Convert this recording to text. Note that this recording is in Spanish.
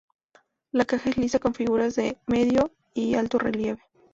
La caja es lisa con figuras de medio y altorrelieve.